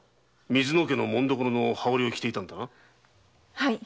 はい。